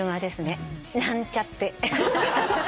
なんちゃって。